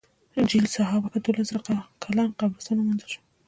جبل سحابه کې دولس زره کلن قبرستان وموندل شو.